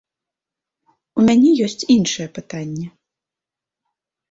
У мяне ёсць іншае пытанне.